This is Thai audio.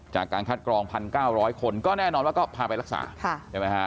จากการคัดกรอง๑๙๐๐คนก็แน่นอนว่าก็พาไปรักษาใช่ไหมฮะ